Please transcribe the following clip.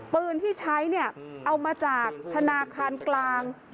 ปืนที่ใช้เนี่ยเอามาจากธนาคารกลาง